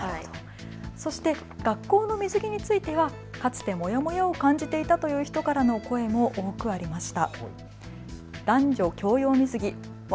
そして学校の水着についてはかつてモヤモヤを感じていたという人からの声も多くありました。